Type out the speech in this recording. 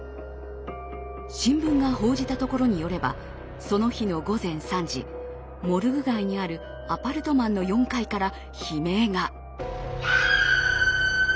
新聞が報じたところによればその日の午前３時モルグ街にあるアパルトマンの４階から悲鳴が。